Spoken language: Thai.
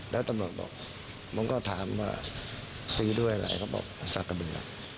แล้วตำรวจบอกผมก็ถามว่าตีด้วยอะไรเขาบอกมันสักกระเบือ